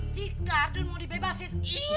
si kardun mau dibebasin